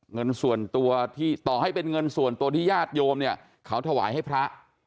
เงินส่วนตัวที่ต่อให้เป็นเงินส่วนตัวที่ญาติโยมเนี่ยเขาถวายให้พระ